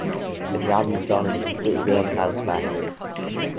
The job you've done is completely unsatisfactory.